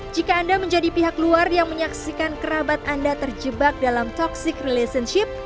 jika anda menjadi pihak luar yang menyaksikan kerabat anda terjebak dalam toxic relationship